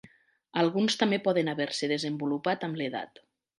Alguns també poden haver-se desenvolupat amb l'edat.